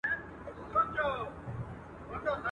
له کلونو له عمرونو یې روزلی.